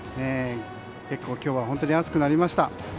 結構今日は本当に暑くなりました。